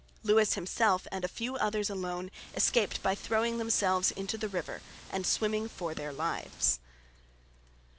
Lewis himself and a few others alone escaped by throwing themselves into the water and swimming for their lives.